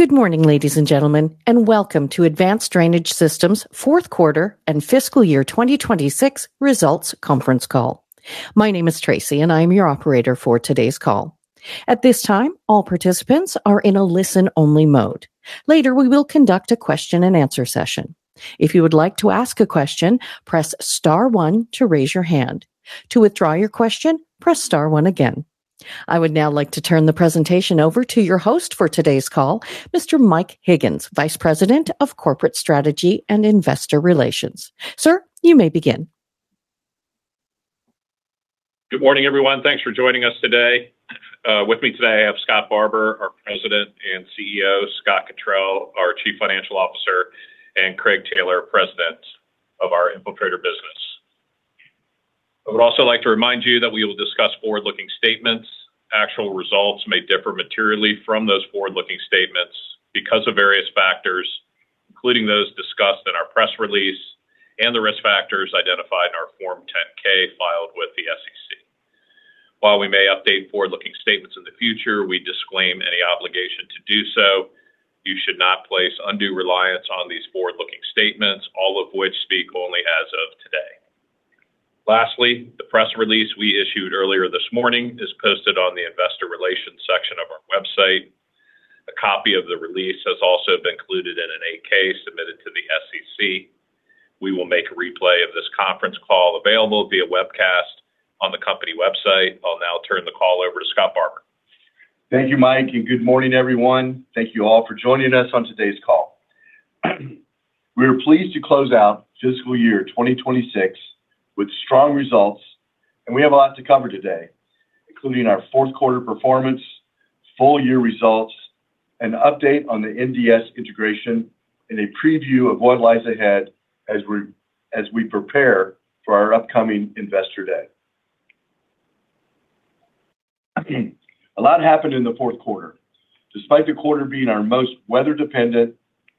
Good morning, ladies and gentlemen, and welcome to Advanced Drainage Systems' 4th quarter and fiscal year 2026 results conference call. My name is Tracy, and I am your operator for today's call. At this time, all participants are in a listen-only mode. Later, we will conduct a question and answer session. If you would like to ask a question press star one to raise your hand. To withdrawal your question press star one again. I would now like to turn the presentation over to your host for today's call, Mr. Mike Higgins, Vice President of Corporate Strategy and Investor Relations. Sir, you may begin. Good morning, everyone. Thanks for joining us today. With me today, I have Scott Barbour, our President and CEO, Scott Cottrill, our Chief Financial Officer, and Craig Taylor, President of our Infiltrator Water Technologies business. I would also like to remind you that we will discuss forward-looking statements. Actual results may differ materially from those forward-looking statements because of various factors, including those discussed in our press release and the risk factors identified in our Form 10-K filed with the SEC. While we may update forward-looking statements in the future, we disclaim any obligation to do so. You should not place undue reliance on these forward-looking statements, all of which speak only as of today. Lastly, the press release we issued earlier this morning is posted on the investor relations section of our website. A copy of the release has also been included in an 8-K submitted to the SEC. We will make a replay of this conference call available via webcast on the company website. I'll now turn the call over to Scott Barbour. Thank you, Mike Higgins. Good morning, everyone. Thank you all for joining us on today's call. We are pleased to close out fiscal year 2026 with strong results. We have a lot to cover today, including our fourth quarter performance, full year results, an update on the NDS integration, and a preview of what lies ahead as we prepare for our upcoming Investor Day. A lot happened in the fourth quarter. Despite the quarter being our most weather-dependent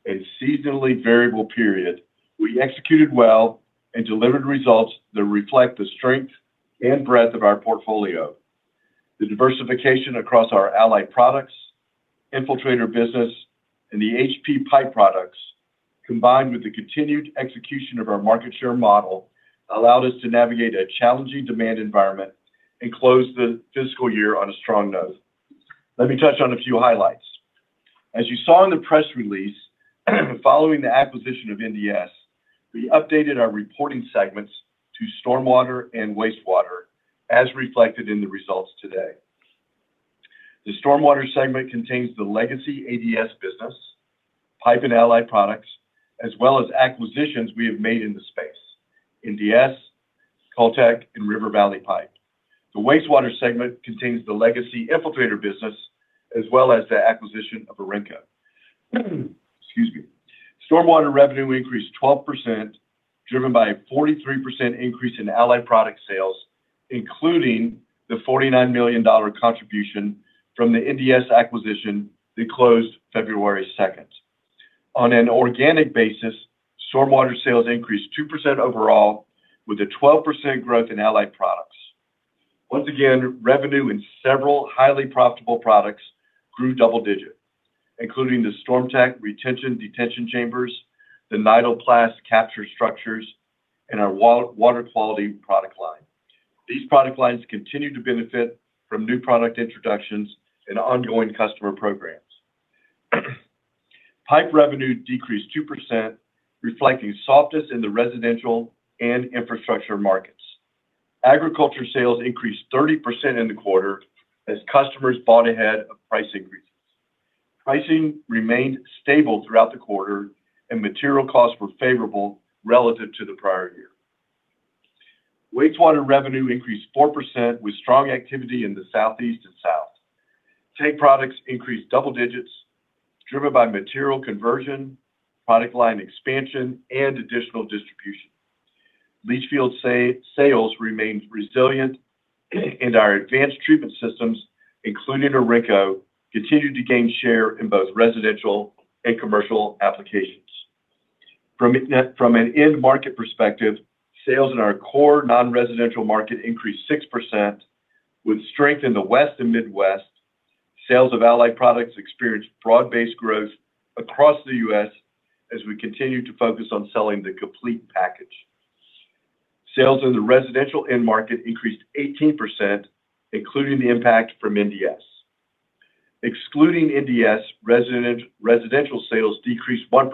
and seasonally variable period, we executed well and delivered results that reflect the strength and breadth of our portfolio. The diversification across our Allied Products, Infiltrator business, and the HP Pipe products, combined with the continued execution of our market share model, allowed us to navigate a challenging demand environment and close the fiscal year on a strong note. Let me touch on a few highlights. As you saw in the press release, following the acquisition of NDS, we updated our reporting segments to Stormwater and Wastewater, as reflected in the results today. The Stormwater segment contains the legacy ADS business, pipe and Allied Products, as well as acquisitions we have made in the space, NDS, CULTEC, and River Valley Pipe. The Wastewater segment contains the legacy Infiltrator business as well as the acquisition of Orenco Systems. Excuse me. Stormwater revenue increased 12%, driven by a 43% increase in Allied Product sales, including the $49 million contribution from the NDS acquisition that closed February 2nd. On an organic basis, Stormwater sales increased 2% overall, with a 12% growth in Allied Products. Once again, revenue in several highly profitable products grew double digits, including the StormTech retention/detention chambers, the Nyloplast capture structures, and our water quality product line. These product lines continue to benefit from new product introductions and ongoing customer programs. Pipe revenue decreased 2%, reflecting softness in the residential and infrastructure markets. Agriculture sales increased 30% in the quarter as customers bought ahead of price increases. Pricing remained stable throughout the quarter. Material costs were favorable relative to the prior year. Wastewater revenue increased 4% with strong activity in the Southeast and South. Tank products increased double digits, driven by material conversion, product line expansion, and additional distribution. Leach field sales remains resilient, and our advanced treatment systems, including Orenco, continued to gain share in both residential and commercial applications. From an end market perspective, sales in our core non-residential market increased 6%, with strength in the West and Midwest. Sales of Allied Products experienced broad-based growth across the U.S. as we continue to focus on selling the complete package. Sales in the residential end market increased 18%, including the impact from NDS. Excluding NDS, residential sales decreased 1%.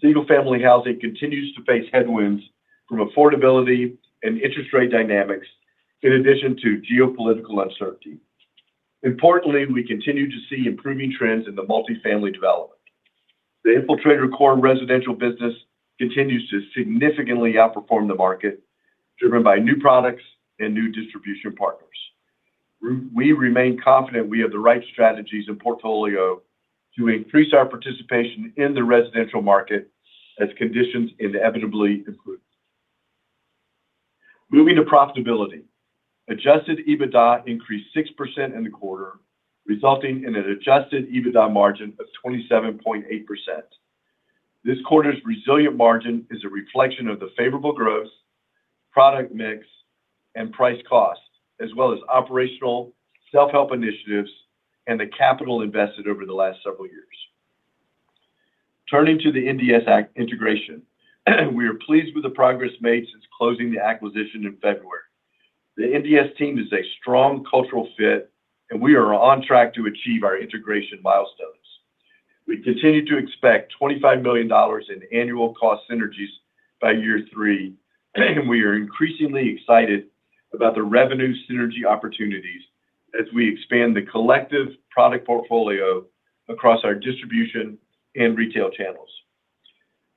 Single-family housing continues to face headwinds from affordability and interest rate dynamics, in addition to geopolitical uncertainty. Importantly, we continue to see improving trends in the multifamily development. The Infiltrator core residential business continues to significantly outperform the market, driven by new products and new distribution partners. We remain confident we have the right strategies and portfolio to increase our participation in the residential market as conditions inevitably improve. Moving to profitability, adjusted EBITDA increased 6% in the quarter, resulting in an adjusted EBITDA margin of 27.8%. This quarter's resilient margin is a reflection of the favorable growth, product mix, and price cost, as well as operational self-help initiatives and the capital invested over the last several years. Turning to the NDS integration, we are pleased with the progress made since closing the acquisition in February. The NDS team is a strong cultural fit. We are on track to achieve our integration milestones. We continue to expect $25 million in annual cost synergies by year three. We are increasingly excited about the revenue synergy opportunities as we expand the collective product portfolio across our distribution and retail channels.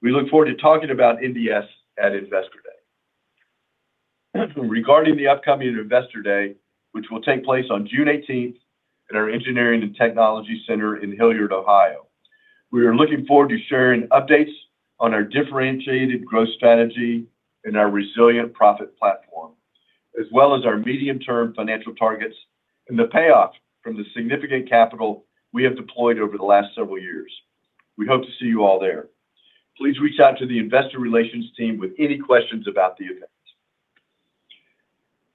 We look forward to talking about NDS at Investor Day. Regarding the upcoming Investor Day, which will take place on June 18th at our engineering and technology center in Hilliard, Ohio, we are looking forward to sharing updates on our differentiated growth strategy and our resilient profit platform, as well as our medium-term financial targets and the payoff from the significant capital we have deployed over the last several years. We hope to see you all there. Please reach out to the investor relations team with any questions about the event.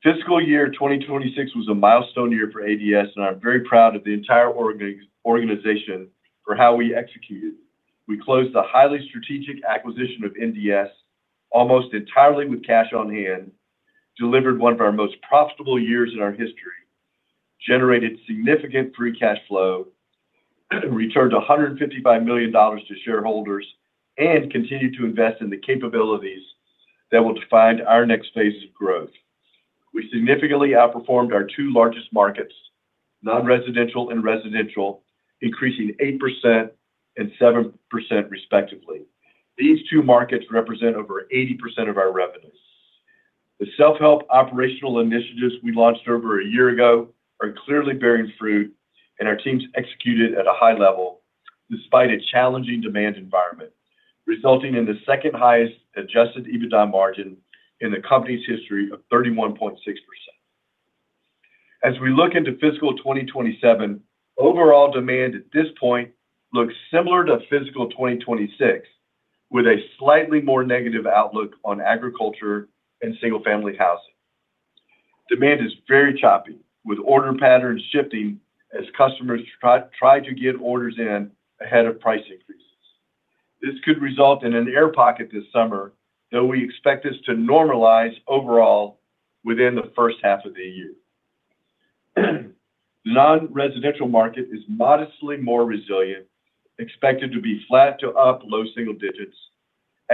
Fiscal year 2026 was a milestone year for ADS, and I'm very proud of the entire organization for how we executed. We closed the highly strategic acquisition of NDS, almost entirely with cash on hand, delivered one of our most profitable years in our history, generated significant free cash flow, returned $155 million to shareholders, and continued to invest in the capabilities that will define our next phase of growth. We significantly outperformed our two largest markets, non-residential and residential, increasing 8% and 7% respectively. These two markets represent over 80% of our revenues. The self-help operational initiatives we launched over a one year ago are clearly bearing fruit, and our teams executed at a high level despite a challenging demand environment, resulting in the second highest adjusted EBITDA margin in the company's history of 31.6%. As we look into fiscal 2027, overall demand at this point looks similar to fiscal 2026, with a slightly more negative outlook on agriculture and single-family housing. Demand is very choppy, with order patterns shifting as customers try to get orders in ahead of price increases. This could result in an air pocket this summer, though we expect this to normalize overall within the first half of the year. The non-residential market is modestly more resilient, expected to be flat to up low single digits.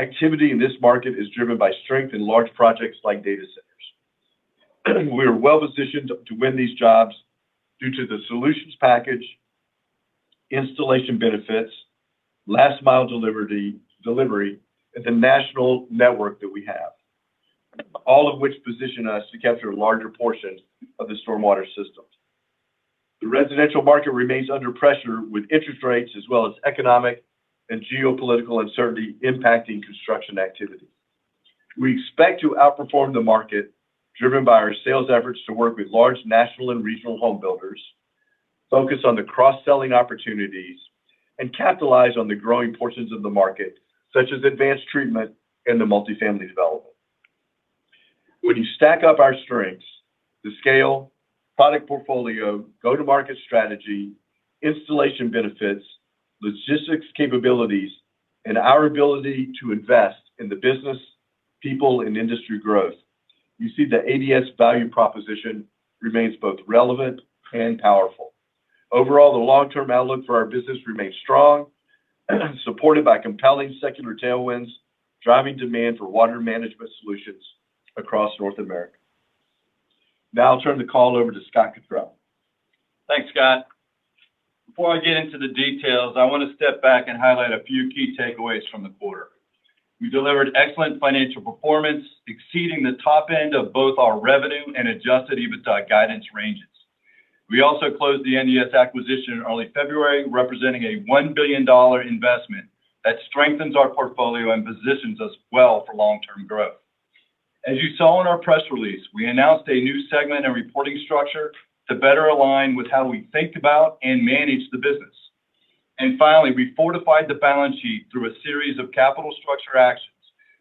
Activity in this market is driven by strength in large projects like data centers. We are well-positioned to win these jobs due to the solutions package, installation benefits, last mile delivery, and the national network that we have, all of which position us to capture a larger portion of the stormwater systems. The residential market remains under pressure with interest rates as well as economic and geopolitical uncertainty impacting construction activity. We expect to outperform the market, driven by our sales efforts to work with large national and regional home builders, focus on the cross-selling opportunities, and capitalize on the growing portions of the market, such as advanced treatment in the multifamily development. When you stack up our strengths, the scale, product portfolio, go-to-market strategy, installation benefits, logistics capabilities, and our ability to invest in the business, people, and industry growth, you see the ADS value proposition remains both relevant and powerful. Overall, the long-term outlook for our business remains strong, supported by compelling secular tailwinds, driving demand for water management solutions across North America. Now I'll turn the call over to Scott Cottrill. Thanks, Scott. Before I get into the details, I want to step back and highlight a few key takeaways from the quarter. We delivered excellent financial performance, exceeding the top end of both our revenue and adjusted EBITDA guidance ranges. We also closed the NDS acquisition in early February, representing a $1 billion investment that strengthens our portfolio and positions us well for long-term growth. As you saw in our press release, we announced a new segment and reporting structure to better align with how we think about and manage the business. Finally, we fortified the balance sheet through a series of capital structure actions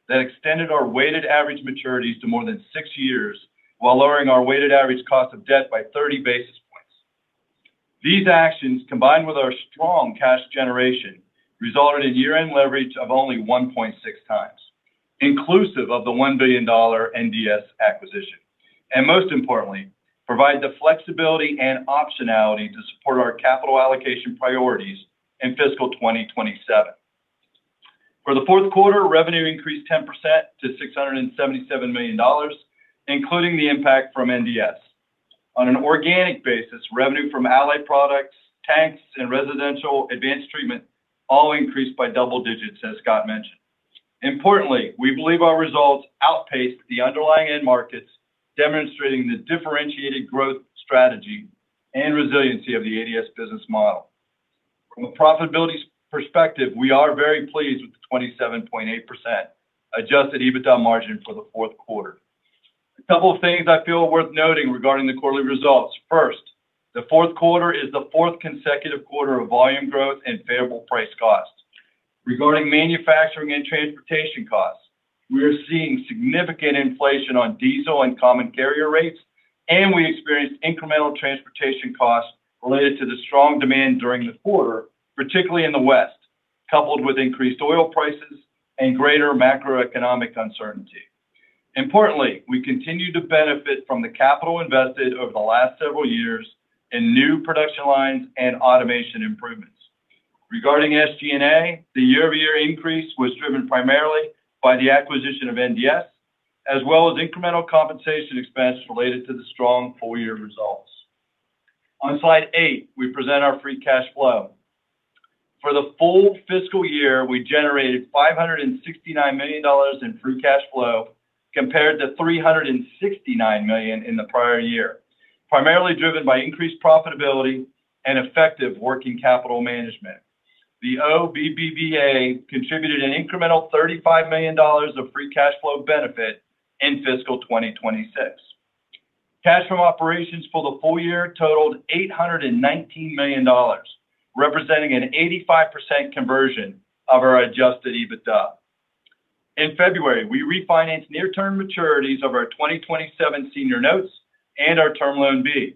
that extended our weighted average maturities to more than six years while lowering our weighted average cost of debt by 30 basis points. These actions, combined with our strong cash generation, resulted in year-end leverage of only 1.6x, inclusive of the $1 billion NDS acquisition, and most importantly, provide the flexibility and optionality to support our capital allocation priorities in fiscal 2027. For the fourth quarter, revenue increased 10% to $677 million, including the impact from NDS. On an organic basis, revenue from Allied Products, tanks, and residential advanced treatment all increased by double digits, as Scott mentioned. Importantly, we believe our results outpaced the underlying end markets, demonstrating the differentiated growth strategy and resiliency of the ADS business model. From a profitability perspective, we are very pleased with the 27.8% adjusted EBITDA margin for the fourth quarter. A couple of things I feel are worth noting regarding the quarterly results. The fourth quarter is the fourth consecutive quarter of volume growth and favorable price costs. Regarding manufacturing and transportation costs, we are seeing significant inflation on diesel and common carrier rates, and we experienced incremental transportation costs related to the strong demand during the quarter, particularly in the West, coupled with increased oil prices and greater macroeconomic uncertainty. Importantly, we continue to benefit from the capital invested over the last several years in new production lines and automation improvements. Regarding SG&A, the year-over-year increase was driven primarily by the acquisition of NDS, as well as incremental compensation expense related to the strong full-year results. On slide eight, we present our free cash flow. For the full fiscal year, we generated $569 million in free cash flow compared to $369 million in the prior year, primarily driven by increased profitability and effective working capital management. The OBBBA contributed an incremental $35 million of free cash flow benefit in fiscal 2026. Cash from operations for the full year totaled $819 million, representing an 85% conversion of our adjusted EBITDA. In February, we refinanced near-term maturities of our 2027 senior notes and our Term Loan B,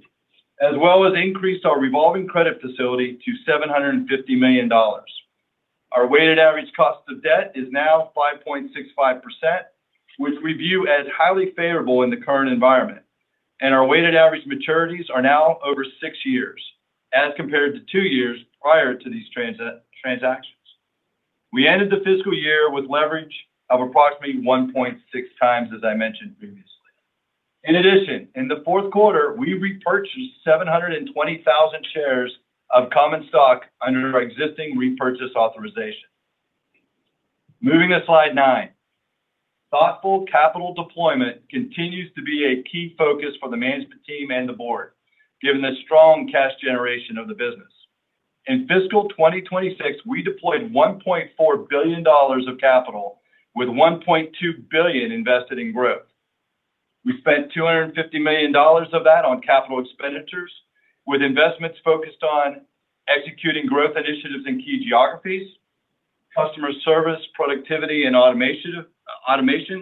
as well as increased our revolving credit facility to $750 million. Our weighted average cost of debt is now 5.65%, which we view as highly favorable in the current environment, and our weighted average maturities are now over six years, as compared to two years prior to these transactions. We ended the fiscal year with leverage of approximately 1.6x, as I mentioned previously. In addition, in the fourth quarter, we repurchased 720,000 shares of common stock under our existing repurchase authorization. Moving to slide nine. Thoughtful capital deployment continues to be a key focus for the management team and the board, given the strong cash generation of the business. In fiscal 2026, we deployed $1.4 billion of capital with $1.2 billion invested in growth. We spent $250 million of that on capital expenditures, with investments focused on executing growth initiatives in key geographies, customer service, productivity, and automation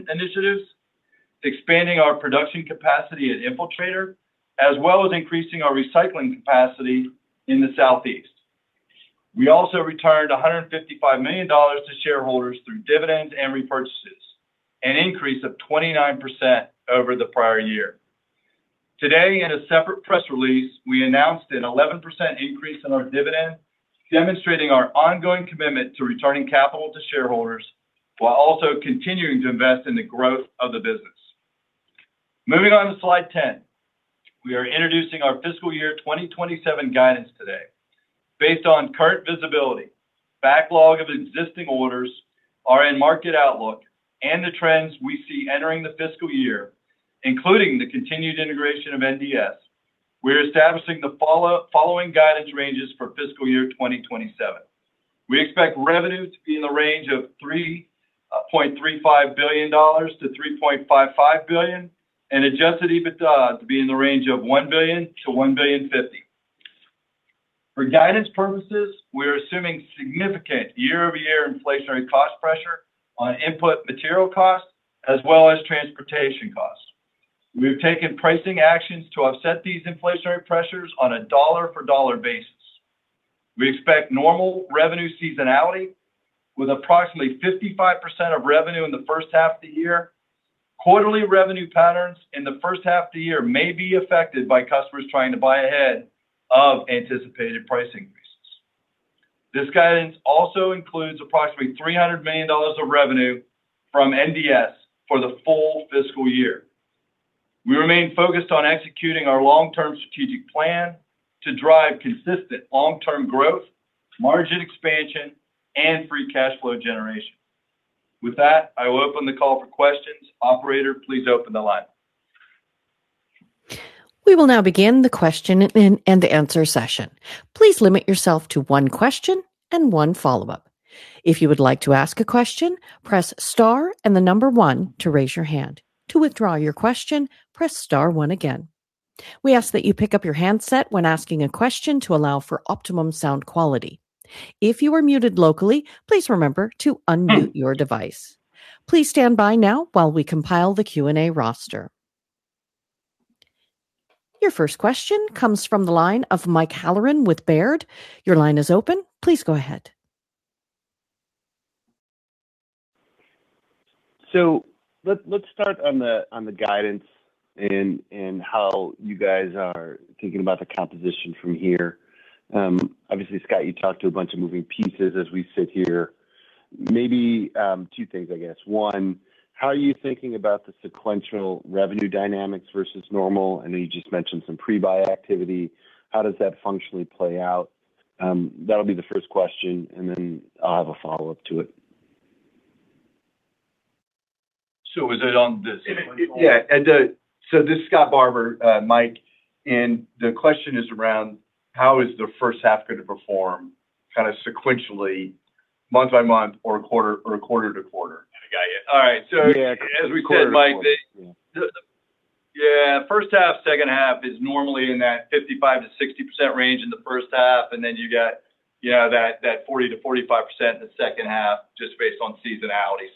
initiatives, expanding our production capacity at Infiltrator, as well as increasing our recycling capacity in the Southeast. We also returned $155 million to shareholders through dividends and repurchases, an increase of 29% over the prior year. Today, in a separate press release, we announced an 11% increase in our dividend, demonstrating our ongoing commitment to returning capital to shareholders while also continuing to invest in the growth of the business. Moving on to slide 10. We are introducing our fiscal year 2027 guidance today. Based on current visibility, backlog of existing orders, R&R market outlook, and the trends we see entering the fiscal year, including the continued integration of NDS, we're establishing the following guidance ranges for fiscal year 2027. We expect revenue to be in the range of $3.35 billion-$3.55 billion and adjusted EBITDA to be in the range of $1 billion-$1.5 billion. For guidance purposes, we are assuming significant year-over-year inflationary cost pressure on input material costs as well as transportation costs. We have taken pricing actions to offset these inflationary pressures on a dollar-for-dollar basis. We expect normal revenue seasonality with approximately 55% of revenue in the first half of the year. Quarterly revenue patterns in the first half of the year may be affected by customers trying to buy ahead of anticipated price increases. This guidance also includes approximately $300 million of revenue from NDS for the full fiscal year. We remain focused on executing our long-term strategic plan to drive consistent long-term growth, margin expansion, and free cash flow generation. With that, I will open the call for questions. Operator, please open the line. We will now begin the question-and-answer session. Please limit yourself to one question and one follow-up. If you would like to ask a question, press star and the number one to raise your hand. To withdraw your question, press star one again. We ask that you pick up your handset when asking a question to allow for optimum sound quality. If you are muted locally, please remember to unmute your device. Please stand by now while we compile the Q&A roster. Your first question comes from the line of Michael Halloran with Baird. Your line is open. Please go ahead. Let's start on the guidance and how you guys are thinking about the composition from here. Obviously, Scott, you talked to a bunch of moving pieces as we sit here. Maybe two things, I guess. One, how are you thinking about the sequential revenue dynamics versus normal? I know you just mentioned some pre-buy activity. How does that functionally play out? That will be the first question, and then I will have a follow-up to it. So is it on the sequential- Yeah. This is Scott Barbour, Mike, and the question is around how is the first half going to perform sequentially. Month by month or quarter to quarter. I got you. All right. Yeah. Quarter to quarter. As we said, Mike, yeah, first half, second half is normally in that 55%-60% range in the first half. You got that 40%-45% in the second half, just based on seasonality.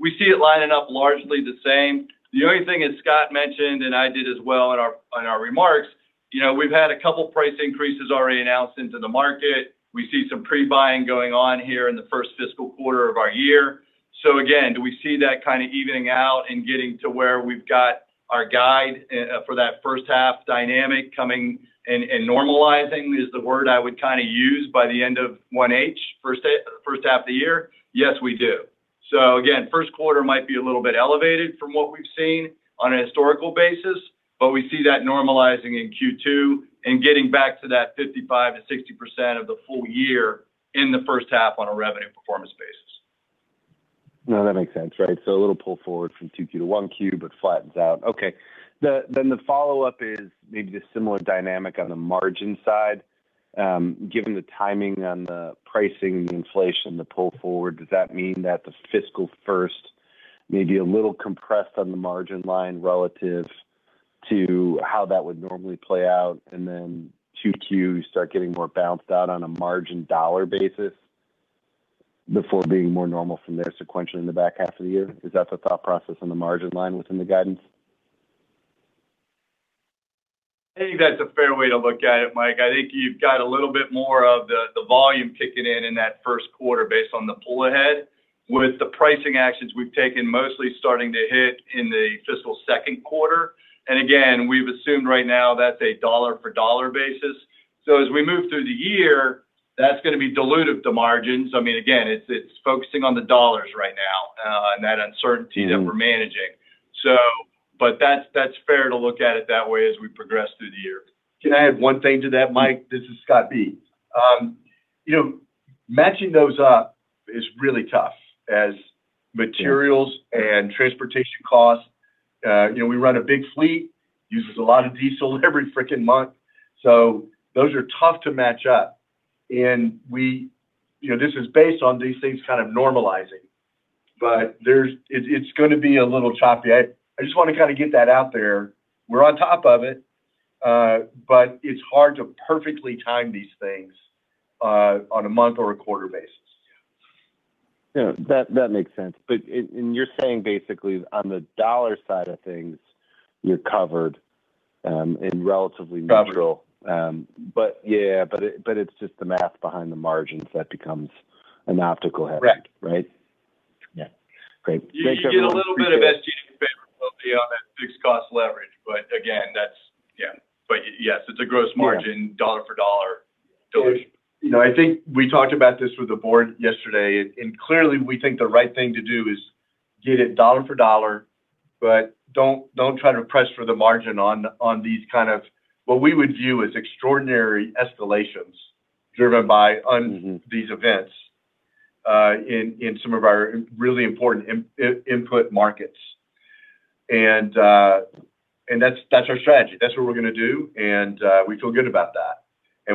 We see it lining up largely the same. The only thing as Scott mentioned, and I did as well on our remarks, we've had a couple price increases already announced into the market. We see some pre-buying going on here in the first fiscal quarter of our year. Again, do we see that kind of evening out and getting to where we've got our guide for that first half dynamic coming and normalizing, is the word I would use, by the end of 1H, first half of the year? Yes, we do. Again, first quarter might be a little bit elevated from what we've seen on a historical basis, but we see that normalizing in Q2 and getting back to that 55%-60% of the full year in the first half on a revenue performance basis. No, that makes sense. Right. A little pull forward from 2Q to 1Q, but flattens out. Okay. The follow-up is maybe the similar dynamic on the margin side. Given the timing on the pricing, the inflation, the pull forward, does that mean that the fiscal first may be a little compressed on the margin line relative to how that would normally play out, and then 2Q, you start getting more balanced out on a margin dollar basis before being more normal from there sequentially in the back half of the year? Is that the thought process on the margin line within the guidance? I think that's a fair way to look at it, Mike. I think you've got a little bit more of the volume kicking in in that first quarter based on the pull ahead, with the pricing actions we've taken mostly starting to hit in the fiscal second quarter. Again, we've assumed right now that's a dollar for dollar basis. As we move through the year, that's gonna be dilutive to margins. Again, it's focusing on the dollars right now, and that uncertainty that we're managing. That's fair to look at it that way as we progress through the year. Can I add one thing to that, Mike? This is Scott Barbour. Matching those up is really tough as materials and transportation costs. We run a big fleet, uses a lot of diesel every freaking month. Those are tough to match up, and this is based on these things kind of normalizing. It's gonna be a little choppy. I just want to kind of get that out there. We're on top of it, but it's hard to perfectly time these things on a month or a quarter basis. Yeah. That makes sense. And you're saying basically on the dollar side of things, you're covered in relatively neutral. Covered Yeah. It's just the math behind the margins that becomes an optical headache, right? Correct. Yeah. Great. Thanks, everyone. Appreciate it. You get a little bit of SG&A favorability on that fixed cost leverage, but again, that's Yeah. Yes, it's a gross margin dollar for dollar dilution. I think we talked about this with the board yesterday, and clearly, we think the right thing to do is get it dollar for dollar, but don't try to press for the margin on these kind of what we would view as extraordinary escalations driven by these events in some of our really important input markets. That's our strategy. That's what we're gonna do, and we feel good about that.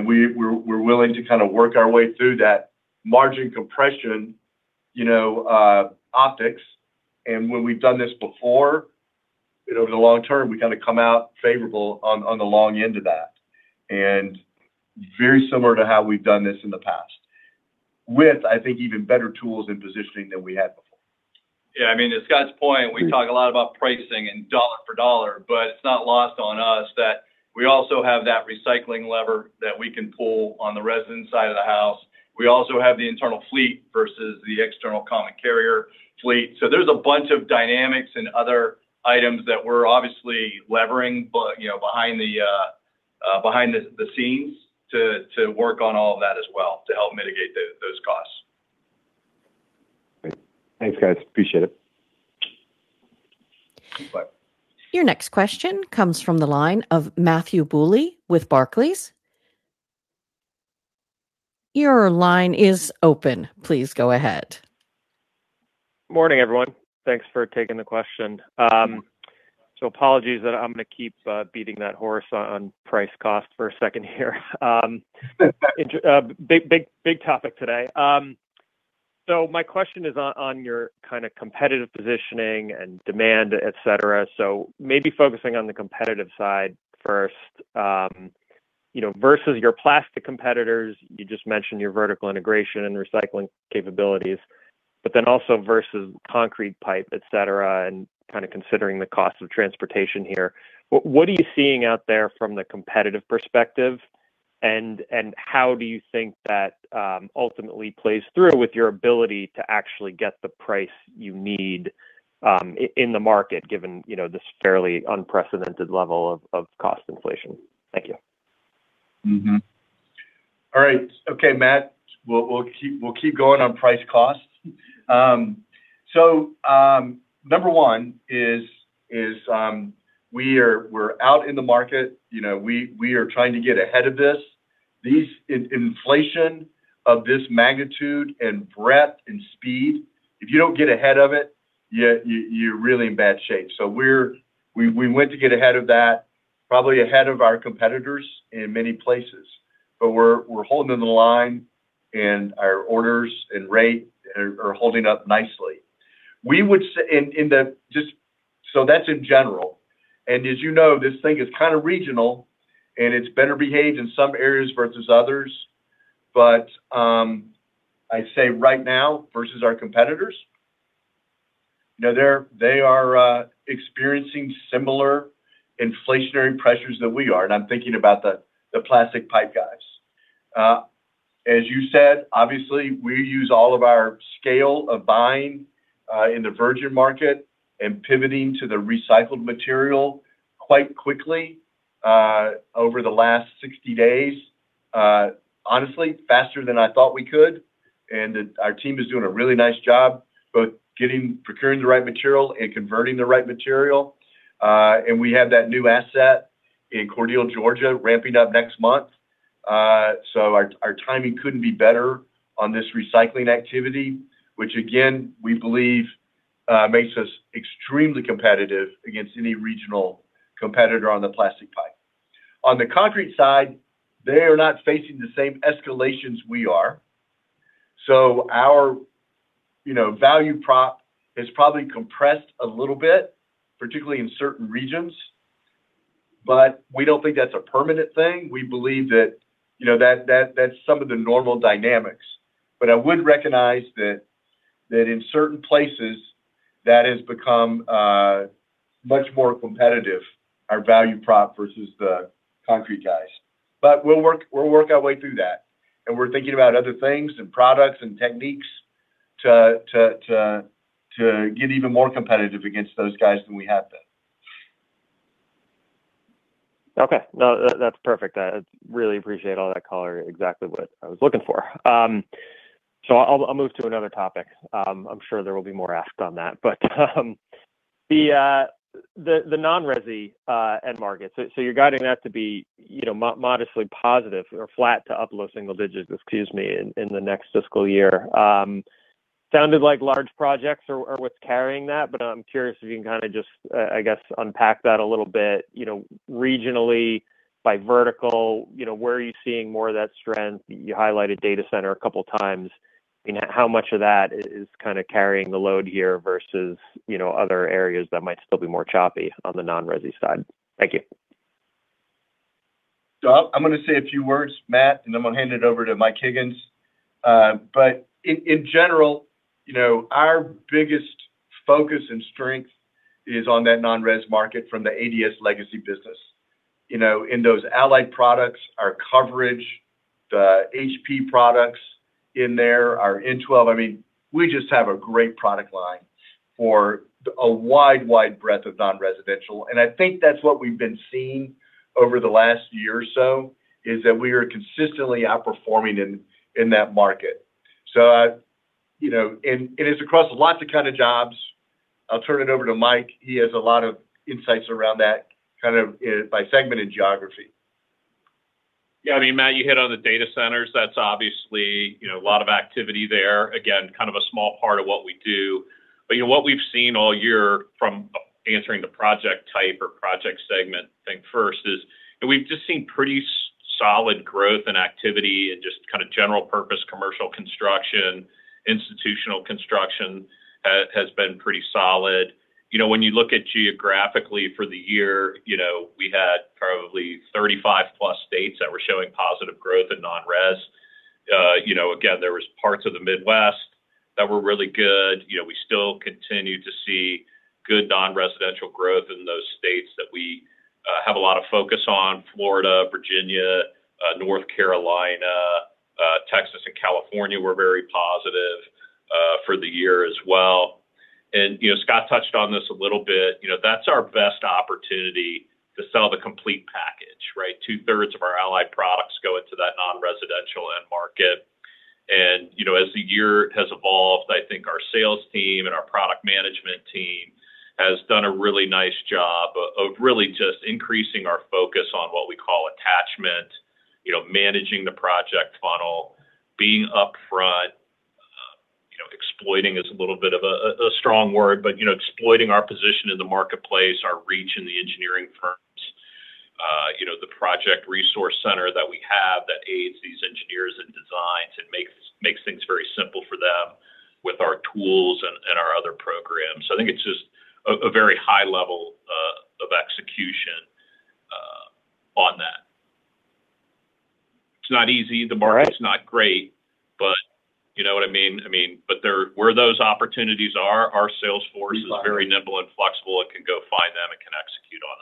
We're willing to kind of work our way through that margin compression optics. When we've done this before, over the long term, we kind of come out favorable on the long end of that. Very similar to how we've done this in the past with, I think, even better tools and positioning than we had before. To Scott's point, we talk a lot about pricing and dollar for dollar, but it's not lost on us that we also have that recycling lever that we can pull on the resident side of the house. We also have the internal fleet versus the external common carrier fleet. There's a bunch of dynamics and other items that we're obviously levering behind the scenes to work on all of that as well to help mitigate those costs. Great. Thanks, guys. Appreciate it. Bye. Your next question comes from the line of Matthew Bouley with Barclays. Morning, everyone. Thanks for taking the question. Apologies that I'm gonna keep beating that horse on price cost for a second here. Big topic today. My question is on your competitive positioning and demand, et cetera. Maybe focusing on the competitive side first. Versus your plastic competitors, you just mentioned your vertical integration and recycling capabilities, also versus concrete pipe, et cetera, and kind of considering the cost of transportation here, what are you seeing out there from the competitive perspective, and how do you think that ultimately plays through with your ability to actually get the price you need in the market given this fairly unprecedented level of cost inflation? Thank you. All right. Okay, Matt. Number one is we're out in the market. We are trying to get ahead of this. Inflation of this magnitude and breadth and speed, if you don't get ahead of it, you're really in bad shape. We went to get ahead of that. Probably ahead of our competitors in many places. We're holding the line, and our orders and rate are holding up nicely. That's in general. As you know, this thing is kind of regional, and it's better behaved in some areas versus others. I'd say right now, versus our competitors, they are experiencing similar inflationary pressures that we are. I'm thinking about the plastic pipe guys. As you said, obviously, we use all of our scale of buying in the virgin market and pivoting to the recycled material quite quickly over the last 60 days. Honestly, faster than I thought we could. Our team is doing a really nice job both procuring the right material and converting the right material. We have that new asset in Cordele, Georgia, ramping up next month. Our timing couldn't be better on this recycling activity, which again, we believe makes us extremely competitive against any regional competitor on the plastic pipe. On the concrete side, they are not facing the same escalations we are. Our value prop is probably compressed a little bit, particularly in certain regions, but we don't think that's a permanent thing. We believe that that's some of the normal dynamics. I would recognize that in certain places, that has become much more competitive, our value prop versus the concrete guys. We'll work our way through that, and we're thinking about other things and products and techniques to get even more competitive against those guys than we have been. Okay. No, that's perfect. I really appreciate all that color, exactly what I was looking for. I'll move to another topic. I'm sure there will be more asked on that, but the non-resi end market. You're guiding that to be modestly positive or flat to up low single digits, excuse me, in the next fiscal year. Sounded like large projects are what's carrying that, but I'm curious if you can kind of just, I guess, unpack that a little bit regionally by vertical. Where are you seeing more of that strength? You highlighted data center a couple times. How much of that is kind of carrying the load here versus other areas that might still be more choppy on the non-resi side? Thank you. I'm going to say a few words, Matt, and then I'm going to hand it over to Michael Higgins. In general, our biggest focus and strength is on that non-res market from the ADS legacy business. In those Allied Products, our coverage, the HP products in there, our N-12. We just have a great product line for a wide breadth of non-residential. I think that's what we've been seeing over the last year or so, is that we are consistently outperforming in that market. It is across lots of kind of jobs. I'll turn it over to Mike. He has a lot of insights around that kind of by segment and geography. Yeah, Matt, you hit on the data centers. That's obviously a lot of activity there. What we've seen all year from answering the project type or project segment thing first is we've just seen pretty solid growth and activity in just kind of general purpose commercial construction, institutional construction has been pretty solid. When you look at geographically for the year, we had probably 35+ states that were showing positive growth in non-res. Again, there was parts of the Midwest that were really good. We still continue to see good non-residential growth in those states that we have a lot of focus on. Florida, Virginia, North Carolina, Texas, and California were very positive for the year as well. Scott touched on this a little bit. That's our best opportunity to sell the complete package, right? Two-thirds of our Allied Products go into that non-residential end market. As the year has evolved, I think our sales team and our product management team has done a really nice job of really just increasing our focus on what we call attachment, managing the project funnel, being upfront. Exploiting is a little bit of a strong word, but exploiting our position in the marketplace, our reach in the engineering firms, and the Project Resource Center that we have that aids these engineers and designs and makes things very simple for them with our tools and our other programs. I think it's just a very high level of execution on that. It's not easy. The market's not great. You know what I mean? Where those opportunities are, our sales force is very nimble and flexible and can go find them and can execute on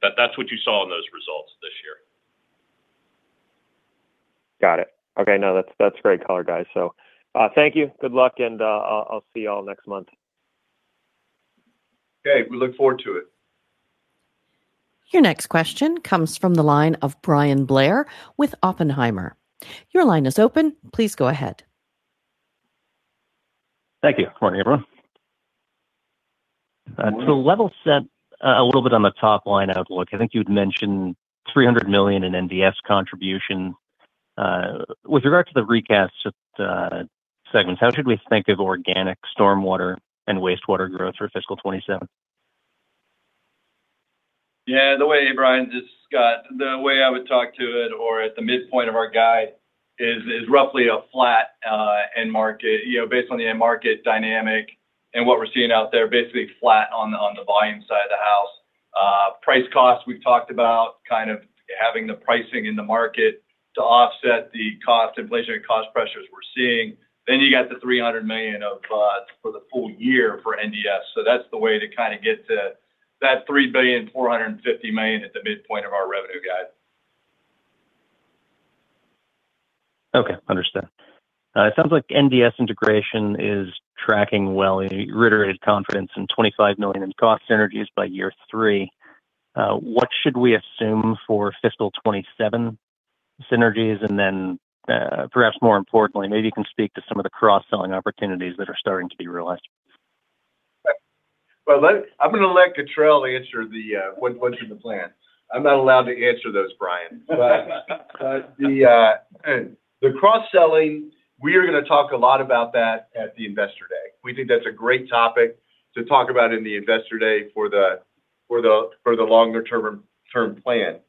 that. That's what you saw in those results this year. Got it. Okay. No, that's great color, guys. Thank you. Good luck, and I'll see you all next month. Okay. We look forward to it. Your next question comes from the line of Bryan Blair with Oppenheimer. Your line is open. Please go ahead. Thank you. Good morning, everyone. To level set a little bit on the top line outlook, I think you had mentioned $300 million in NDS contribution. With regard to the recast segments, how should we think of organic stormwater and wastewater growth for fiscal 2027? This is Scott. The way I would talk to it or at the midpoint of our guide is roughly a flat end market based on the end market dynamic and what we're seeing out there, basically flat on the volume side of the house. Price cost, we've talked about having the pricing in the market to offset the cost inflation and cost pressures we're seeing. You got the $300 million for the full year for NDS. That's the way to get to that $3,450,000 at the midpoint of our revenue guide. Okay. Understood. It sounds like NDS integration is tracking well. You reiterated confidence in $25 million in cost synergies by year three. What should we assume for fiscal 2027 synergies? Perhaps more importantly, maybe you can speak to some of the cross-selling opportunities that are starting to be realized. Well, I'm going to let Scott Cottrill answer the what's in the plan. I'm not allowed to answer those, Bryan. The cross-selling, we are going to talk a lot about that at the Investor Day. We think that's a great topic to talk about in the Investor Day for the longer term plan.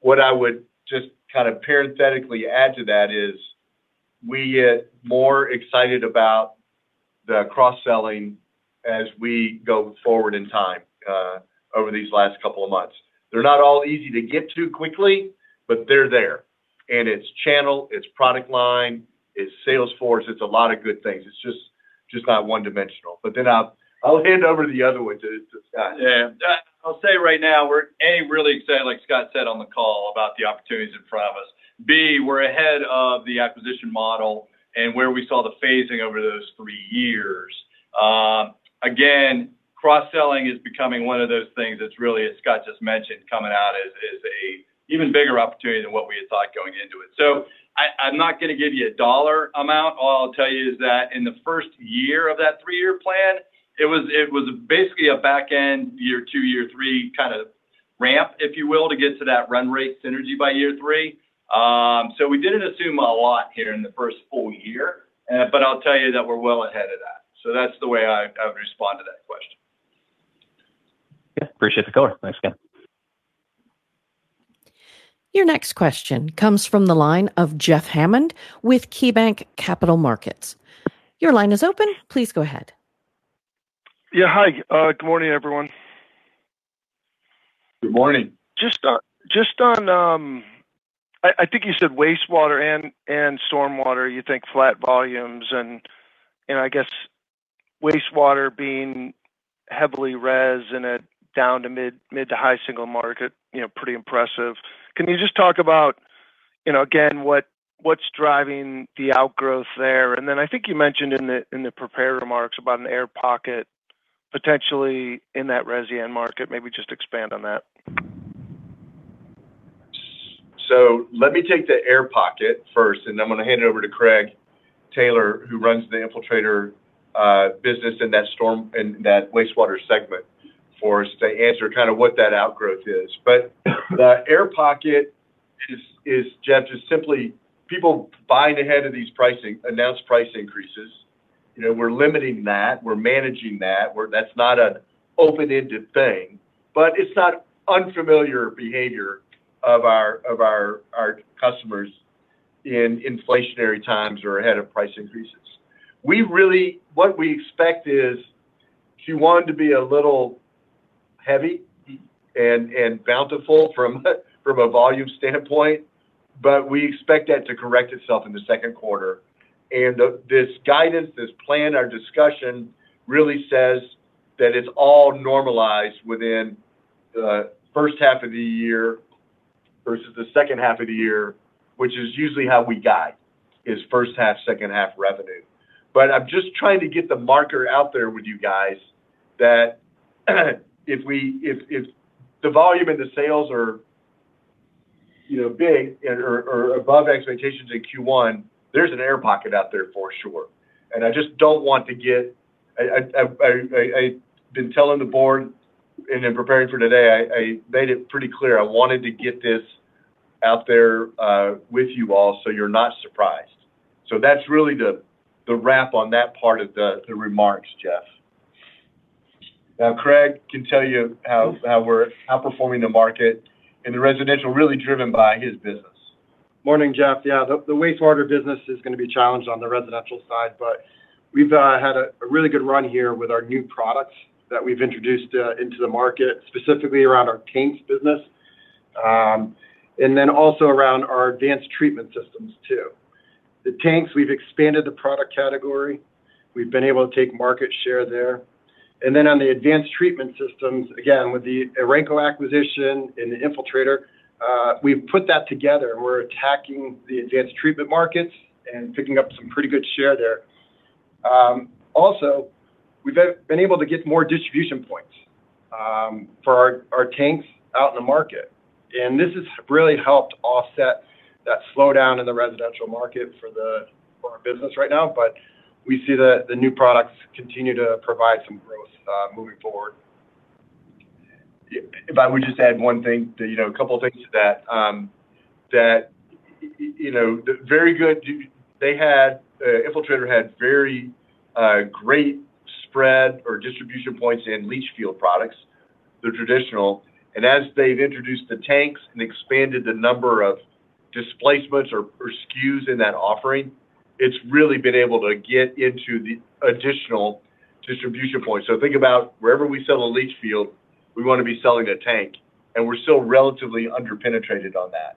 What I would just parenthetically add to that is we get more excited about the cross-selling as we go forward in time over these last two months. They're not all easy to get to quickly, but they're there. It's channel, it's product line, it's sales force, it's a lot of good things. It's just not one-dimensional. I'll hand over the other one to Scott. Yeah. I'll say right now we're, A, really excited, like Scott said on the call, about the opportunities in front of us. B, we're ahead of the acquisition model and where we saw the phasing over those three years. Again, cross-selling is becoming one of those things that's really, as Scott just mentioned, coming out as a even bigger opportunity than what we had thought going into it. I'm not going to give you a dollar amount. All I'll tell you is that in the first year of that three-year plan, it was basically a back end year two, year three kind of ramp, if you will, to get to that run rate synergy by year three. We didn't assume a lot here in the first full year, but I'll tell you that we're well ahead of that. That's the way I would respond to that question. Yeah. Appreciate the color. Thanks, guys. Your next question comes from the line of Jeffrey Hammond with KeyBanc Capital Markets. Your line is open. Please go ahead. Yeah. Hi. Good morning, everyone. Good morning. I think you said wastewater and stormwater, you think flat volumes and I guess wastewater being heavily res and at down to mid to high single market, pretty impressive. Can you just talk about, again, what's driving the outgrowth there? I think you mentioned in the prepared remarks about an air pocket potentially in that res end market. Maybe just expand on that. Let me take the air pocket first, and then I'm going to hand it over to Craig Taylor, who runs the Infiltrator business in that wastewater segment for us to answer what that outgrowth is. The air pocket, Jeff, is simply people buying ahead of these announced price increases. We're limiting that. We're managing that. That's not an open-ended thing, but it's not unfamiliar behavior of our customers in inflationary times or ahead of price increases. What we expect is Q1 to be a little heavy and bountiful from a volume standpoint, but we expect that to correct itself in the second quarter. This guidance, this plan, our discussion really says that it's all normalized within the first half of the year versus the second half of the year, which is usually how we guide is first half, second half revenue. I'm just trying to get the marker out there with you guys that if the volume and the sales are big or above expectations in Q1, there's an air pocket out there for sure. I've been telling the board and in preparing for today, I made it pretty clear I wanted to get this out there with you all so you're not surprised. That's really the wrap on that part of the remarks, Jeff. Craig can tell you how we're outperforming the market and the residential really driven by his business. Morning, Jeff. Yeah, the wastewater business is going to be challenged on the residential side, but we've had a really good run here with our new products that we've introduced into the market, specifically around our tanks business, and then also around our advanced treatment systems, too. The tanks, we've expanded the product category. We've been able to take market share there. On the advanced treatment systems, again, with the Orenco acquisition and the Infiltrator, we've put that together and we're attacking the advanced treatment markets and picking up some pretty good share there. Also, we've been able to get more distribution points for our tanks out in the market, and this has really helped offset that slowdown in the residential market for our business right now. We see the new products continue to provide some growth moving forward. If I would just add one thing, a couple of things to that. Infiltrator had very great spread or distribution points in leach field products. They're traditional. As they've introduced the tanks and expanded the number of displacements or SKUs in that offering, it's really been able to get into the additional distribution points. Think about wherever we sell a leach field, we want to be selling a tank, and we're still relatively under-penetrated on that.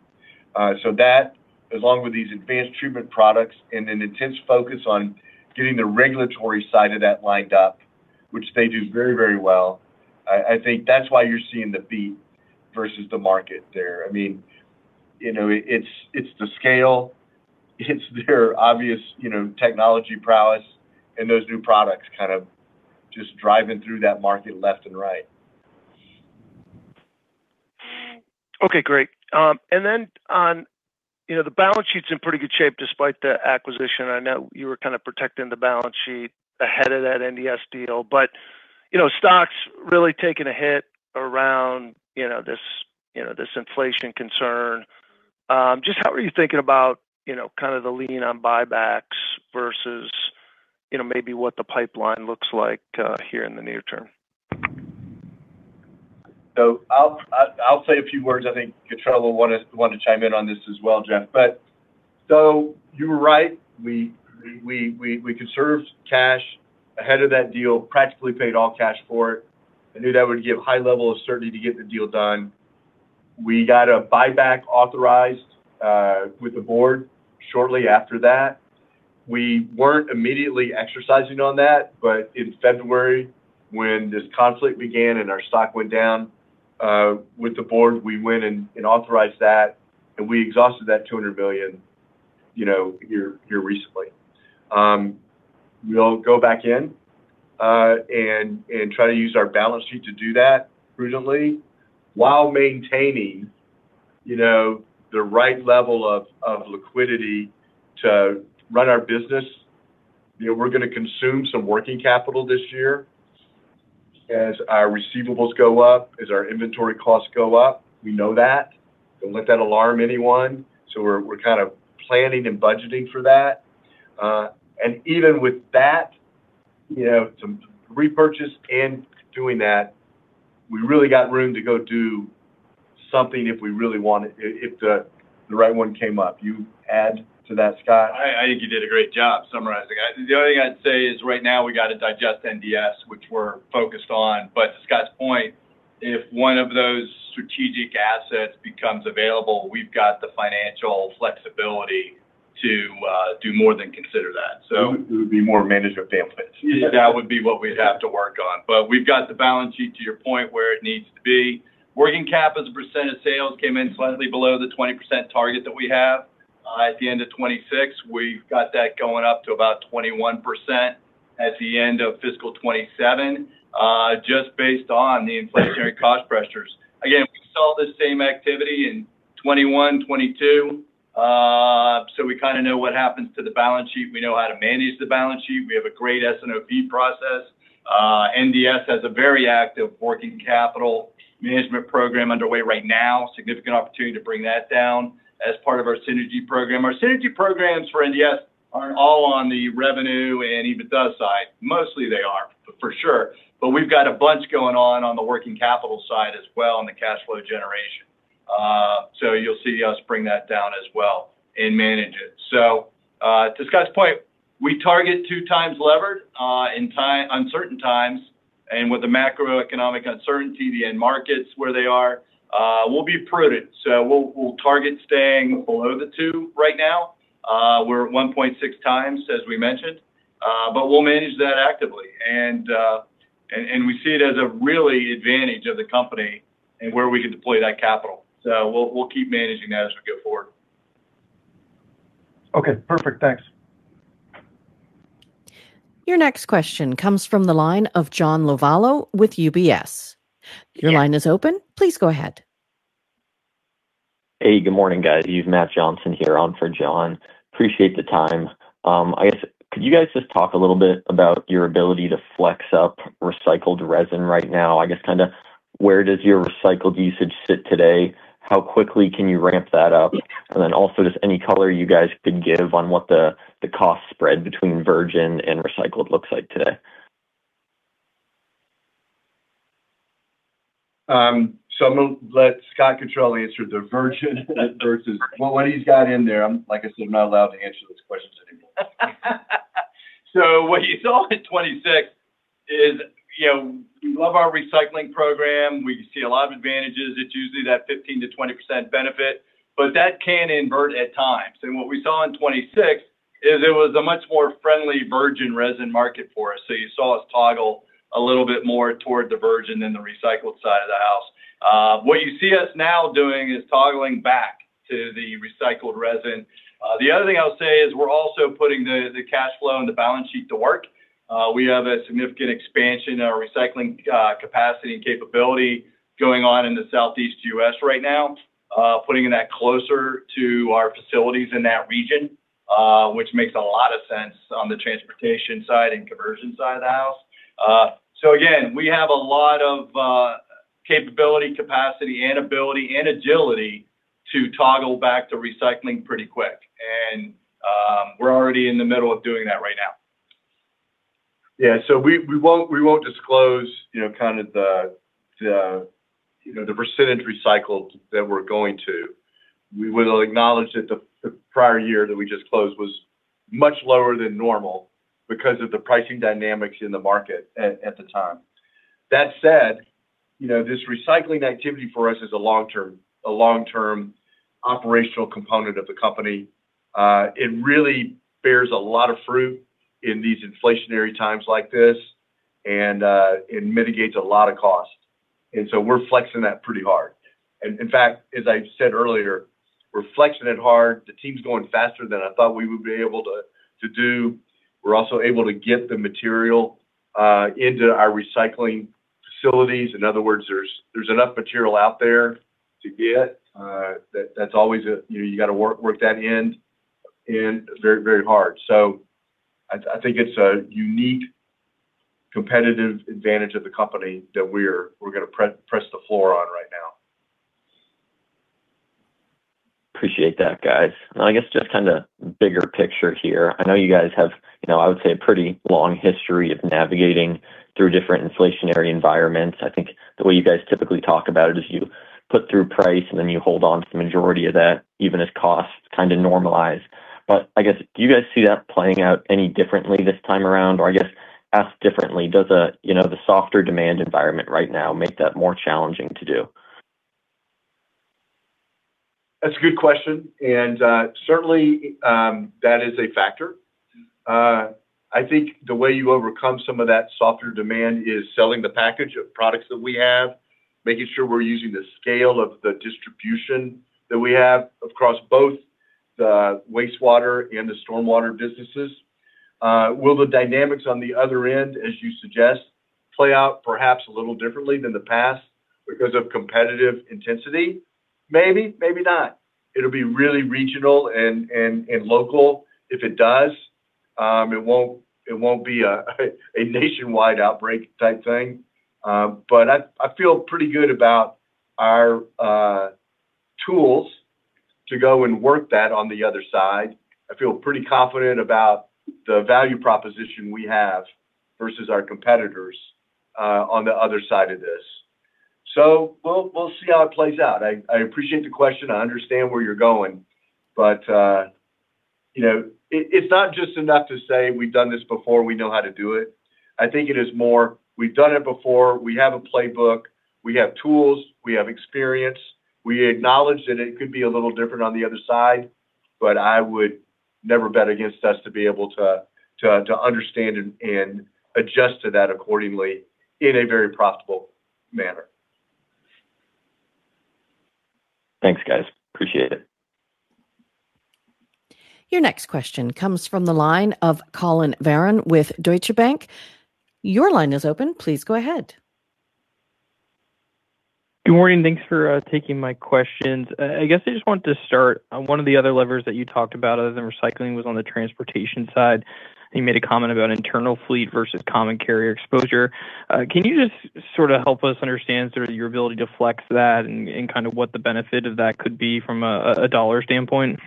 That, along with these advanced treatment products and an intense focus on getting the regulatory side of that lined up, which they do very well, I think that's why you're seeing the beat versus the market there. It's the scale, it's their obvious technology prowess and those new products kind of just driving through that market left and right. Okay, great. The balance sheet's in pretty good shape despite the acquisition. I know you were kind of protecting the balance sheet ahead of that NDS deal, stock's really taken a hit around this inflation concern. Just how are you thinking about the lean on buybacks versus maybe what the pipeline looks like here in the near term? I'll say a few words. I think Cottrill will want to chime in on this as well, Jeff. You were right. We conserved cash ahead of that deal, practically paid all cash for it. I knew that would give high level of certainty to get the deal done. We got a buyback authorized with the board shortly after that. We weren't immediately exercising on that, but in February, when this conflict began and our stock went down, with the board, we went and authorized that, and we exhausted that $200 billion here recently. We'll go back in and try to use our balance sheet to do that prudently while maintaining the right level of liquidity to run our business. We're going to consume some working capital this year as our receivables go up, as our inventory costs go up. We know that. Don't let that alarm anyone. We're kind of planning and budgeting for that. Even with that, some repurchase and doing that, we really got room to go do something if we really wanted, if the right one came up. You add to that, Scott? I think you did a great job summarizing. I think the only thing I'd say is right now we got to digest NDS, which we're focused on. To Scott's point, if one of those strategic assets becomes available, we've got the financial flexibility to do more than consider that. It would be more management bandwidth. That would be what we'd have to work on. We've got the balance sheet, to your point, where it needs to be. Working capital as a percent of sales came in slightly below the 20% target that we have at the end of 2026. We've got that going up to about 21% at the end of fiscal 2027, just based on the inflationary cost pressures. We saw this same activity in 2021, 2022, we kind of know what happens to the balance sheet. We know how to manage the balance sheet. We have a great S&OP process. NDS has a very active working capital management program underway right now. Significant opportunity to bring that down as part of our synergy program. Our synergy programs for NDS aren't all on the revenue and EBITDA side. Mostly they are, for sure. We've got a bunch going on on the working capital side as well, and the cash flow generation. You'll see us bring that down as well and manage it. To Scott's point, we target two times levered in uncertain times. With the macroeconomic uncertainty, the end markets where they are, we'll be prudent. We'll target staying below the two right now. We're at 1.6x, as we mentioned. We'll manage that actively, and we see it as a really advantage of the company and where we can deploy that capital. We'll keep managing that as we go forward. Okay, perfect. Thanks. Your next question comes from the line of John Lovallo with UBS. Hey, good morning, guys. You've Matt Johnson here on for John. Appreciate the time. I guess, could you guys just talk a little bit about your ability to flex up recycled resin right now? I guess kind of where does your recycled usage sit today? How quickly can you ramp that up? Then also, just any color you guys could give on what the cost spread between virgin and recycled looks like today. I'm going to let Scott Cottrill answer the virgin versus what he's got in there. Like I said, I'm not allowed to answer those questions anymore. What you saw in 2026 is we love our recycling program. We see a lot of advantages. It's usually that 15%-20% benefit, but that can invert at times. What we saw in 2026 is it was a much more friendly virgin resin market for us. You saw us toggle a little bit more toward the virgin than the recycled side of the house. What you see us now doing is toggling back to the recycled resin. The other thing I'll say is we're also putting the cash flow and the balance sheet to work. We have a significant expansion in our recycling capacity and capability going on in the Southeast U.S. right now. Putting that closer to our facilities in that region, which makes a lot of sense on the transportation side and conversion side of the house. Again, we have a lot of capability, capacity and ability and agility to toggle back to recycling pretty quick, and we're already in the middle of doing that right now. Yeah. We won't disclose the % recycled that we're going to. We will acknowledge that the prior year that we just closed was much lower than normal because of the pricing dynamics in the market at the time. That said, this recycling activity for us is a long-term operational component of the company. It really bears a lot of fruit in these inflationary times like this, and it mitigates a lot of cost. We're flexing that pretty hard. In fact, as I said earlier, we're flexing it hard. The team's going faster than I thought we would be able to do. We're also able to get the material into our recycling facilities. In other words, there's enough material out there to get. You got to work that end very hard. I think it's a unique competitive advantage of the company that we're going to press the floor on right now. Appreciate that, guys. I guess just kind of bigger picture here. I know you guys have, I would say, a pretty long history of navigating through different inflationary environments. I think the way you guys typically talk about it is you put through price, and then you hold on to the majority of that, even as costs kind of normalize. I guess, do you guys see that playing out any differently this time around? I guess, asked differently, does the softer demand environment right now make that more challenging to do? That's a good question, and certainly, that is a factor. I think the way you overcome some of that softer demand is selling the package of products that we have, making sure we're using the scale of the distribution that we have across both the wastewater and the stormwater businesses. Will the dynamics on the other end, as you suggest, play out perhaps a little differently than the past because of competitive intensity? Maybe, maybe not. It'll be really regional and local. If it does, it won't be a nationwide outbreak type thing. I feel pretty good about our tools to go and work that on the other side. I feel pretty confident about the value proposition we have versus our competitors on the other side of this. We'll see how it plays out. I appreciate the question. I understand where you're going, but it's not just enough to say we've done this before, we know how to do it. I think it is more, we've done it before. We have a playbook. We have tools. We have experience. We acknowledge that it could be a little different on the other side, but I would never bet against us to be able to understand and adjust to that accordingly in a very profitable manner. Thanks, guys. Appreciate it. Your next question comes from the line of Colin Verron with Deutsche Bank. Your line is open. Please go ahead. Good morning. Thanks for taking my questions. I guess I just wanted to start on one of the other levers that you talked about, other than recycling, was on the transportation side. You made a comment about internal fleet versus common carrier exposure. Can you just sort of help us understand sort of your ability to flex that and kind of what the benefit of that could be from a dollar standpoint?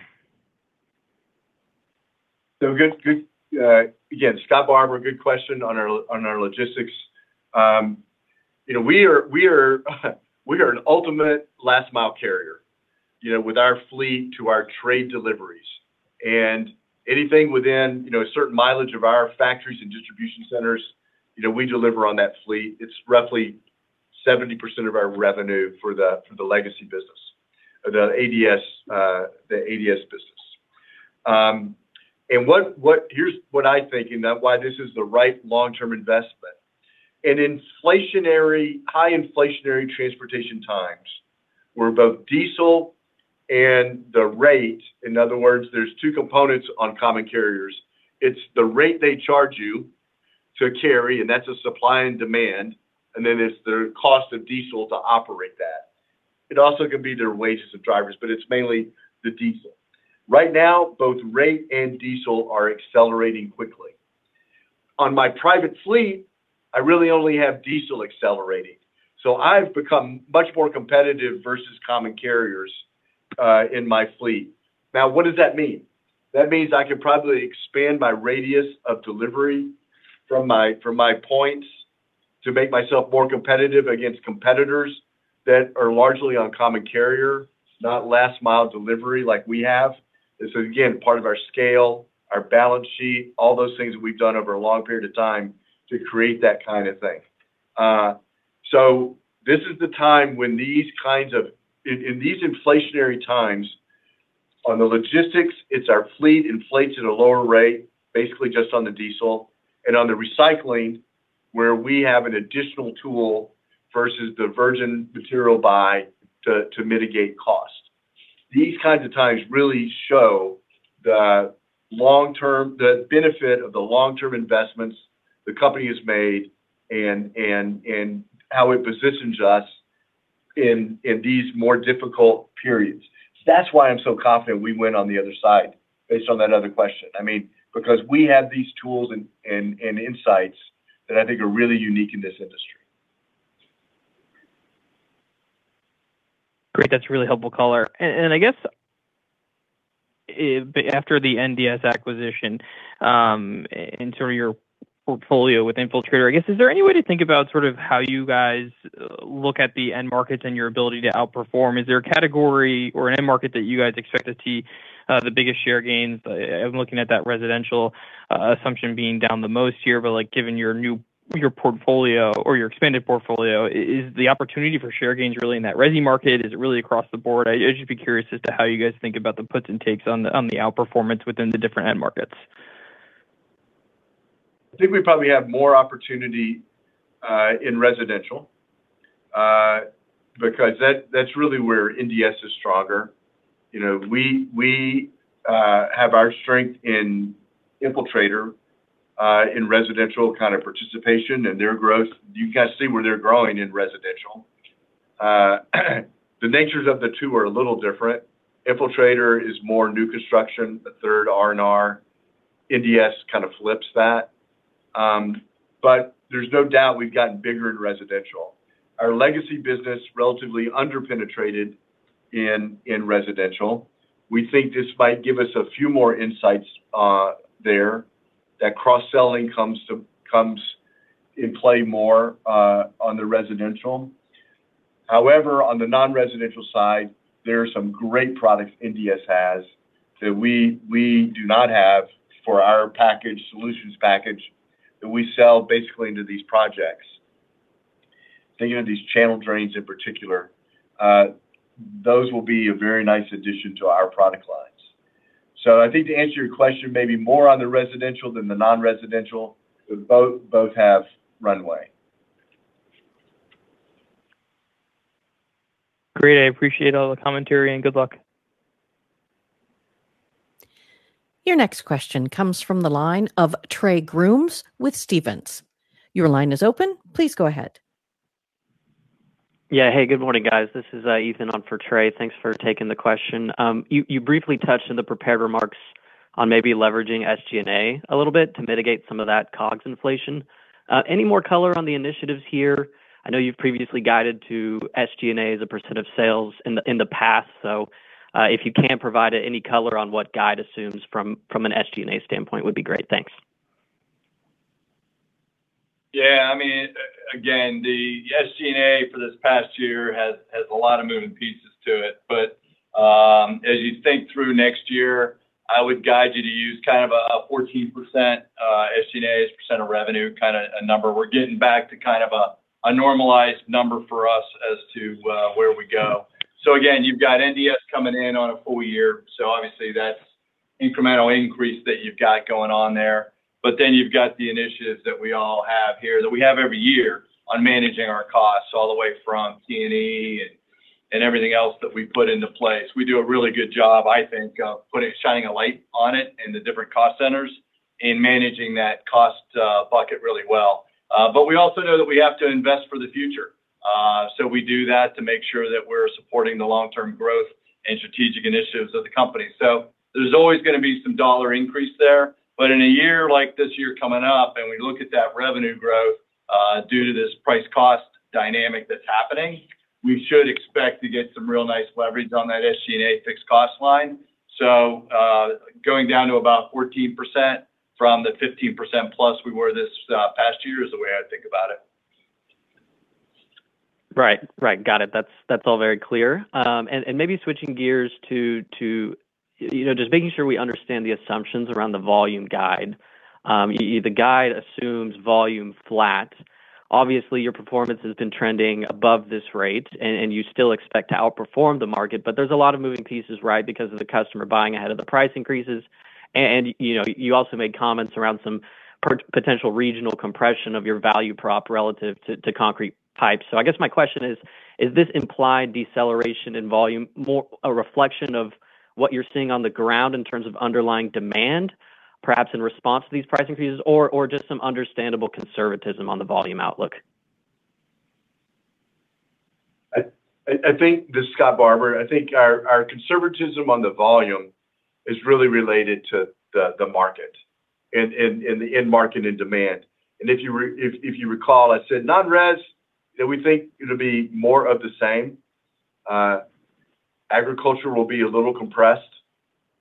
Good. Again, Scott Barbour, good question on our logistics. We are an ultimate last mile carrier with our fleet to our trade deliveries. Anything within a certain mileage of our factories and distribution centers, we deliver on that fleet. It's roughly 70% of our revenue for the legacy business, the ADS business. Here's what I think, and why this is the right long-term investment. In high inflationary transportation times, where both diesel and the rate, in other words, there's two components on common carriers. It's the rate they charge you to carry, and that's a supply and demand, and then it's the cost of diesel to operate that. It also can be their wages of drivers, but it's mainly the diesel. Right now, both rate and diesel are accelerating quickly. On my private fleet, I really only have diesel accelerating, so I've become much more competitive versus common carriers in my fleet. What does that mean? That means I can probably expand my radius of delivery from my points to make myself more competitive against competitors that are largely on common carrier, not last mile delivery like we have. Again, part of our scale, our balance sheet, all those things that we've done over a long period of time to create that kind of thing. This is the time, in these inflationary times, on the logistics, it's our fleet inflates at a lower rate, basically just on the diesel, and on the recycling, where we have an additional tool versus the virgin material buy to mitigate cost. These kinds of times really show the benefit of the long-term investments the company has made and how it positions us in these more difficult periods. That's why I'm so confident we win on the other side, based on that other question. We have these tools and insights that I think are really unique in this industry. Great. That's really helpful color. I guess, after the NDS acquisition, in sort of your portfolio with Infiltrator, I guess is there any way to think about how you guys look at the end markets and your ability to outperform? Is there a category or an end market that you guys expect to see the biggest share gains? I'm looking at that residential assumption being down the most here, but given your expanded portfolio, is the opportunity for share gains really in that resi market? Is it really across the board? I'd just be curious as to how you guys think about the puts and takes on the outperformance within the different end markets. I think we probably have more opportunity in residential, because that's really where NDS is stronger. We have our strength in Infiltrator, in residential kind of participation, and their growth. You guys see where they're growing in residential. The natures of the two are a little different. Infiltrator is more new construction, a third R&R. NDS kind of flips that. There's no doubt we've gotten bigger in residential. Our legacy business is relatively under-penetrated in residential. We think this might give us a few more insights there, that cross-selling comes in play more on the residential. On the non-residential side, there are some great products NDS has that we do not have for our solutions package that we sell basically into these projects. Thinking of these channel drains in particular, those will be a very nice addition to our product lines. I think to answer your question, maybe more on the residential than the non-residential, but both have runway. Great. I appreciate all the commentary and good luck. Your next question comes from the line of Trey Grooms with Stephens. Your line is open. Please go ahead. Hey, good morning, guys. This is Ethan on for Trey. Thanks for taking the question. You briefly touched on the prepared remarks on maybe leveraging SG&A a little bit to mitigate some of that COGS inflation. Any more color on the initiatives here? I know you've previously guided to SG&A as a % of sales in the past, so if you can provide any color on what guide assumes from an SG&A standpoint would be great. Thanks. Yeah. Again, the SG&A for this past year has a lot of moving pieces to it. As you think through next year, I would guide you to use kind of a 14% SG&A as a % of revenue, kind of a number. We're getting back to kind of a normalized number for us as to where we go. Again, you've got NDS coming in on a full year, so obviously that's incremental increase that you've got going on there. You've got the initiatives that we all have here, that we have every year, on managing our costs, all the way from T&E and everything else that we've put into place. We do a really good job, I think, of shining a light on it in the different cost centers in managing that cost bucket really well. We also know that we have to invest for the future. We do that to make sure that we're supporting the long-term growth and strategic initiatives of the company. There's always gonna be some dollar increase there, but in a year like this year coming up, and we look at that revenue growth, due to this price cost dynamic that's happening, we should expect to get some real nice leverage on that SG&A fixed cost line. Going down to about 14% from the 15% + we were this past year is the way I'd think about it. Right. Got it. That's all very clear. Maybe switching gears to just making sure we understand the assumptions around the volume guide. The guide assumes volume flat. Obviously, your performance has been trending above this rate and you still expect to outperform the market, but there's a lot of moving pieces, right? Because of the customer buying ahead of the price increases. You also made comments around some potential regional compression of your value prop relative to concrete pipe. I guess my question is this implied deceleration in volume more a reflection of what you're seeing on the ground in terms of underlying demand, perhaps in response to these price increases? Or just some understandable conservatism on the volume outlook? This is Scott Barbour. I think our conservatism on the volume is really related to the market and the end market and demand. If you recall, I said non-res, that we think it'll be more of the same. Agriculture will be a little compressed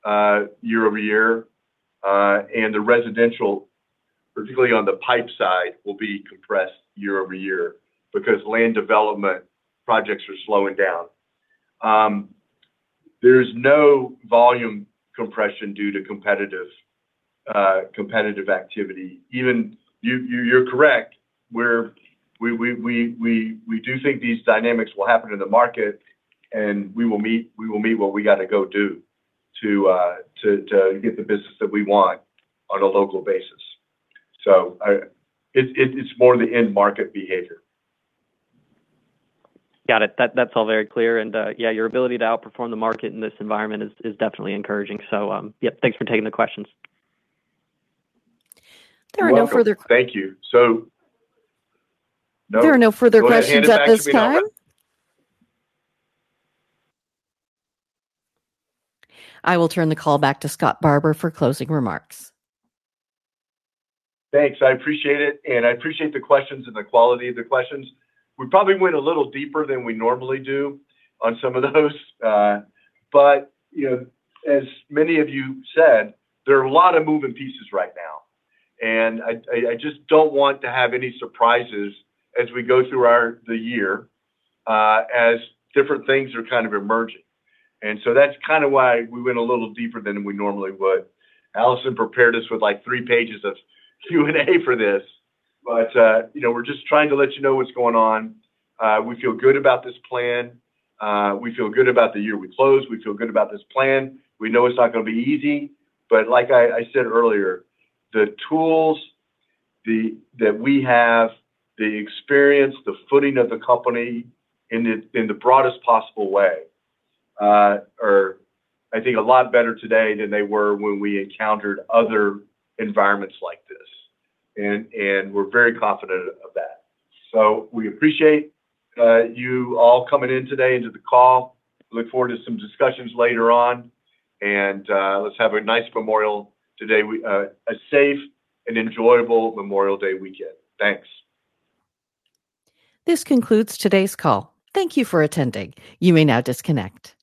year-over-year. The residential, particularly on the pipe side, will be compressed year-over-year because land development projects are slowing down. There's no volume compression due to competitive activity. You're correct, we do think these dynamics will happen in the market, and we will meet what we got to go do to get the business that we want on a local basis. It's more the end market behavior. Got it. That's all very clear. Yeah, your ability to outperform the market in this environment is definitely encouraging. Yep, thanks for taking the questions. You're welcome. Thank you. There are no further questions at this time. Go ahead and hand it back to Bianca. I will turn the call back to Scott Barbour for closing remarks. Thanks. I appreciate it, and I appreciate the questions and the quality of the questions. We probably went a little deeper than we normally do on some of those. As many of you said, there are a lot of moving pieces right now, and I just don't want to have any surprises as we go through the year, as different things are kind of emerging. That's kind of why we went a little deeper than we normally would. Alison prepared us with like three pages of Q&A for this, but we're just trying to let you know what's going on. We feel good about this plan. We feel good about the year we closed. We feel good about this plan. We know it's not gonna be easy, like I said earlier, the tools that we have, the experience, the footing of the company in the broadest possible way, are, I think, a lot better today than they were when we encountered other environments like this. We're very confident of that. We appreciate you all coming in today into the call. Look forward to some discussions later on. Let's have a nice Memorial today, a safe and enjoyable Memorial Day weekend. Thanks. This concludes today's call. Thank you for attending. You may now disconnect.